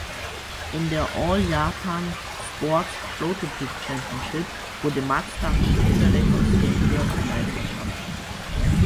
In der "All Japan Sports Prototype Championship" wurde Mazda Fünfter der Konstrukteursmeisterschaft.